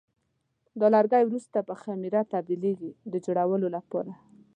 دا لرګي وروسته په خمېره تبدیلېږي د جوړولو لپاره.